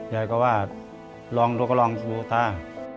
แยอก็ว่าลองดูก็ลองบุธา